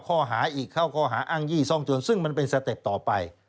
ข้อหาอีกเข้าข้อหาอ้างยี่ซ่องโจรซึ่งมันเป็นสเต็ปต่อไป